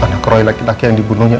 anak kroi laki laki yang dibunuhnya